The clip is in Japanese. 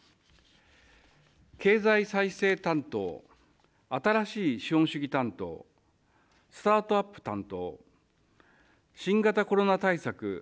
経済再生担当、新しい資本主義担当、スタートアップ担当、新型コロナ対策